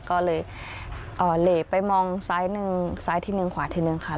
ก็เลยเหลไปมองซ้ายหนึ่งซ้ายทีนึงขวาทีนึงค่ะ